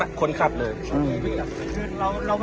อ่าโอเค